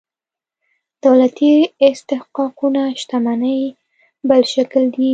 دولتي استحقاقونه شتمنۍ بل شکل دي.